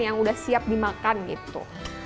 yang udah siap dimakan gitu